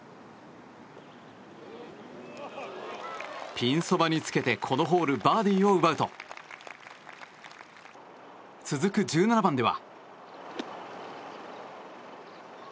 ピンそばにつけてこのホール、バーディーを奪うと続く１７番では。